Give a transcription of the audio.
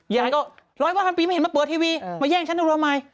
ยายก็ร้อยบ้านพันปีไม่เห็นมาเปิดทีวีมาแย่งชั้นออกมาใหม่